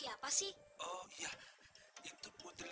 amin ya tuhan